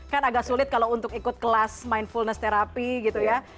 kan agak sulit kalau untuk ikut kelas mindfulness therapy